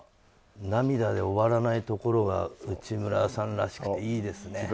涙で終わらないところが内村さんらしくていいですね。